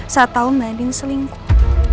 saat tau andin selingkuh